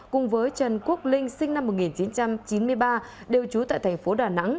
cùng với trần quốc linh sinh năm một nghìn chín trăm chín mươi ba đều trú tại thành phố đà nẵng